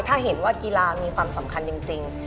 ถ้าเห็นว่ากีฬามีความสำคัญจริง